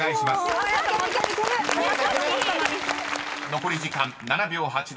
［残り時間７秒８０］